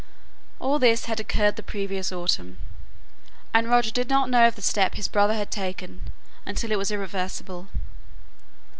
All this had occurred the previous autumn, and Roger did not know of the step his brother had taken until it was irrevocable.